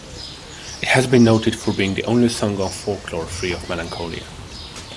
It has been noted for being the only song on "Folklore" free of melancholia.